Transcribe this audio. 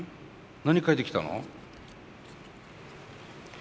何描いてきたの？